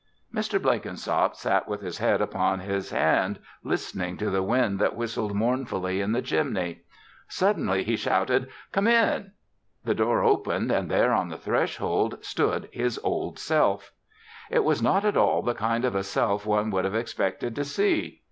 Mr. Blenkinsop sat with his head upon his hand listening to the wind that whistled mournfully in the chimney. Suddenly he shouted: "Come in!" The door opened and there on the threshold stood his Old Self. It was not at all the kind of a Self one would have expected to see.